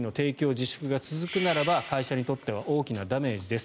自粛が続くならば会社にとっては大きなダメージです。